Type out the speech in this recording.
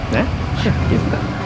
ya gitu kan